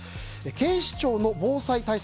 警視庁の防災対策